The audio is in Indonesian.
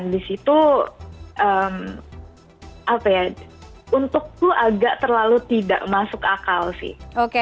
dan di situ untukku agak terlalu tidak masuk akal sih